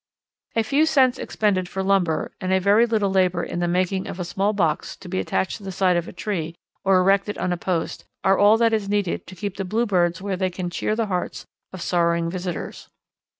A few cents expended for lumber and a very little labour in the making of a small box to be attached to the side of a tree or erected on a post, are all that is needed to keep the Bluebirds where they can cheer the hearts of sorrowing visitors.